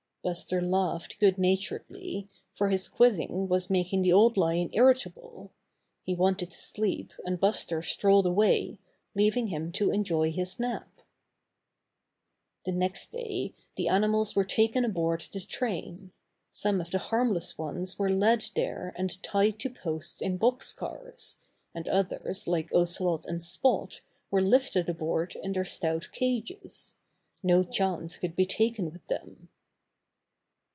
Buster laughed good naturedly, for his quizzing was making the Old Lion irritable. He wanted to sleep and Buster strolled away, leaving him to enjoy his nap. The next day the animals were taken aboard the train. Some of the harmless ones were led there and tied to posts in box cars, and others like Ocelot and Spot were lifted aboard in their stout cages. No chance could be taken with them.